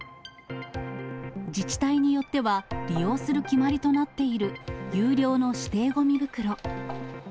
自治体によっては、利用する決まりとなっている有料の指定ごみ袋。